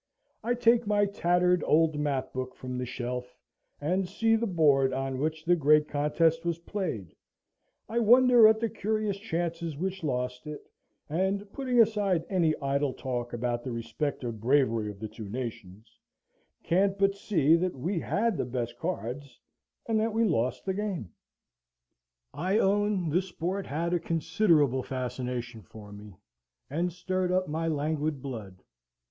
I take my tattered old map book from the shelf, and see the board on which the great contest was played; I wonder at the curious chances which lost it: and, putting aside any idle talk about the respective bravery of the two nations, can't but see that we had the best cards, and that we lost the game. I own the sport had a considerable fascination for me, and stirred up my languid blood.